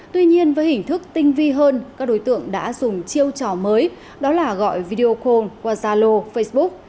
tuy nhiên với hình thức tinh vi hơn các đối tượng đã dùng chiêu trò mới đó là gọi video call qua zalo facebook